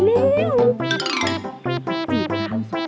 จีบหัวหน้าดอนสุดท้ายมากเลย